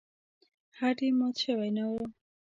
هډ یې مات شوی نه و.